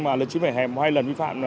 mà lên chứa vẻ hè một hai lần vi phạm